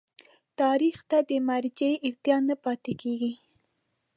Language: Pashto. تاریخ ته د مراجعې اړتیا نه پاتېږي.